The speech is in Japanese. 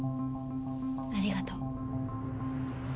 ありがとう。